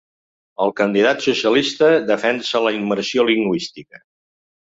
El candidat socialista defensa la immersió lingüística.